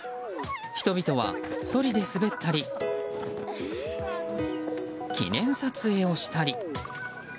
人々はそりで滑ったり記念撮影をしたり。